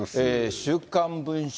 週刊文春